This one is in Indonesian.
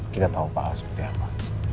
kita tahu pak a seperti apa